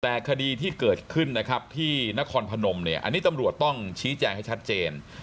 แต่คดีที่เกิดขึ้นนะครับที่นครพนมเนี่ยอันนี้ตำรวจต้องชี้แจงให้ชัดเจน